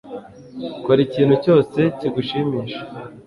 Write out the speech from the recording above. Kora ikintu cyose kigushimisha